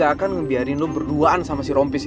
katanya lu gak suka sama si rompis